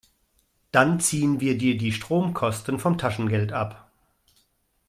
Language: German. Dann ziehen wir dir die Stromkosten vom Taschengeld ab.